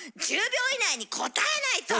１０秒以内に答えないと。